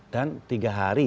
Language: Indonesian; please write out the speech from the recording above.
dan tiga hari